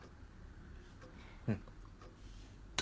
うん。